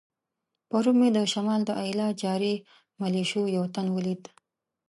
پرون مې د شمال د ایله جاري ملیشو یو تن ولید.